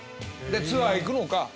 でツアー行くのか。